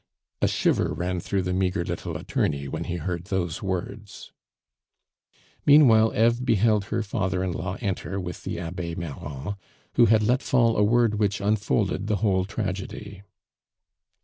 A shiver ran through the meagre little attorney when he heard those words. Meanwhile Eve beheld her father in law enter with the Abbe Marron, who had let fall a word which unfolded the whole tragedy.